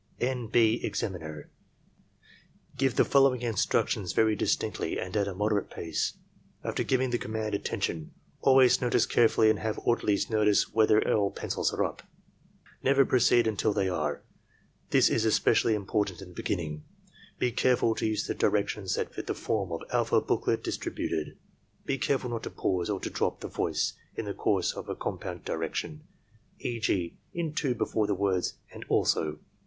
'" JV. B, Examiner, — Give the following instructions very dis tinctly and at moderate speed. After giving the command "Attention," always notice carefully and have orderlies notice whether all pencils are up. Never proceed until they are. This is especially important in the beginning. Be careful to use the directions that fit the form of alpha booklet distributed. Be careful not to pause or to drop the voice in the course of a com pound direction, e. g., in 2, before the words "and also."